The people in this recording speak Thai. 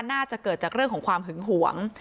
น่าจะเกิดจากเรื่องของความหึงหวง